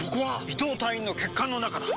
伊藤隊員の血管の中だ！